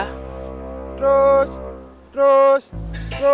terus terus terus terus terus